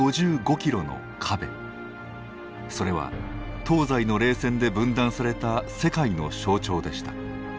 それは東西の冷戦で分断された世界の象徴でした。